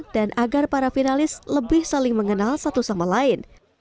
dan agar para finalis lebih saling mengenal satu sama lain